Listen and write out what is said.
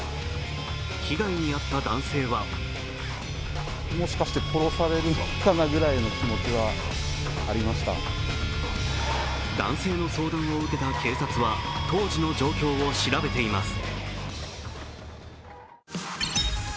被害に遭った男性は男性の相談を受けた警察は当時の状況を調べています。